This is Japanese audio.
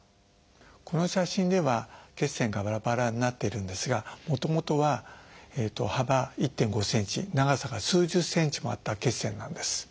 この写真では血栓がバラバラになってるんですがもともとは幅１．５センチ長さが数十センチもあった血栓なんです。